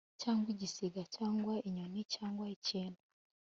cyangwa igisiga cyangwa inyoni cyangwa ikintu